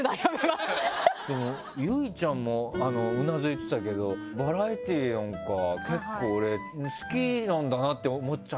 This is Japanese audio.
結実ちゃんもうなずいてたけどバラエティーなんか結構俺好きなんだなって思っちゃってたな。